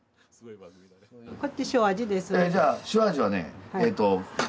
こっち塩味ですので。